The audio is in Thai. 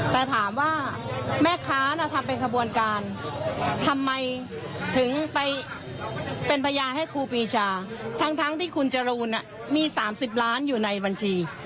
เป็นพยายามให้ครูปรีชาทั้งที่คุณจรูนมี๓๐ล้านอยู่ในบัญชี